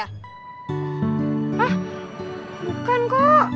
hah bukan kok